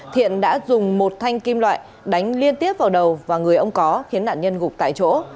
thiện đã dùng một thanh kim loại đánh liên tiếp vào đầu và người ông có khiến nạn nhân gục tại chỗ